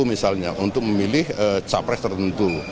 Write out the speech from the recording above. misalnya untuk memilih capres tertentu